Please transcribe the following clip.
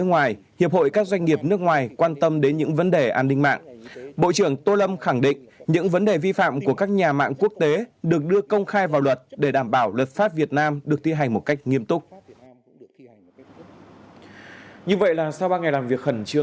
như vậy là sau ba ngày làm việc khẩn trương nghiêm túc trong không khí dân chủ với tinh thần trách nhiệm cao